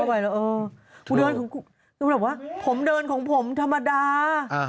ดูแบบว่าผมเดินของผมธรรมดา